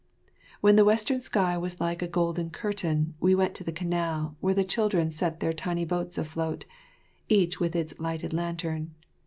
] When the western sky was like a golden curtain, we went to the canal, where the children set their tiny boats afloat, each with its lighted lantern.